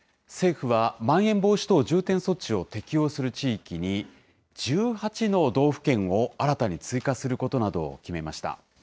政府はまん延防止等重点措置を適用する地域に、１８の道府県を新たに追加することなどを決めました。